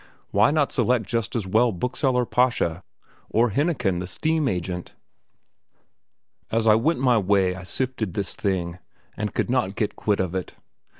Why not select just as well Bookseller Pascha, or Hennechen the steam agent? As I went my way I sifted this thing, and could not get quit of it.